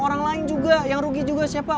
orang lain juga yang rugi juga siapa